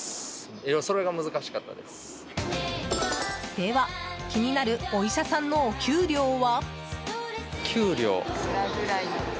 では、気になるお医者さんのお給料は？